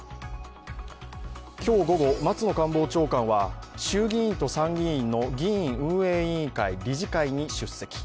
今日午後、松野官房長官は衆議院と参議院の議院運営委員会・理事会に出席。